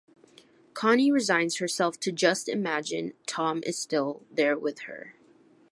Connie resigns herself to "Just Imagine" Tom is still there with her.